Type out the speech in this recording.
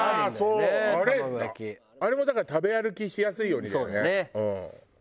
あれもだから食べ歩きしやすいようにだよね。